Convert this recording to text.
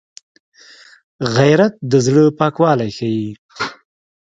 غیرت د زړه پاکوالی ښيي